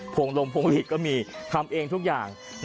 วงลมพวงหลีดก็มีทำเองทุกอย่าง